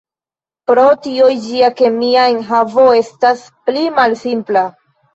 Pro tio ĝia kemia enhavo estas pli malsimpla.